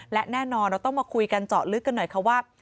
และแน่นอนเราต้องมาคุยกันเจาะลึกกันหน่อยค่ะว่า